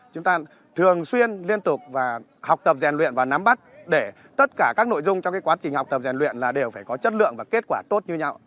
chúng ta thường xuyên liên tục học tập giàn luyện và nắm bắt để tất cả các nội dung trong quá trình học tập giàn luyện đều phải có chất lượng và kết quả tốt như nhau